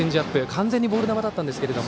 完全にボール球だったんですが。